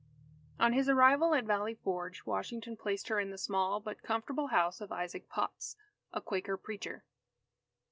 On his arrival at Valley Forge, Washington placed her in the small but comfortable house of Isaac Potts, a Quaker preacher.